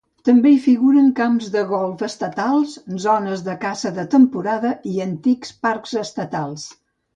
També hi figuren camps de golf estatals, zones de caça de temporada i "antics" parcs estatals.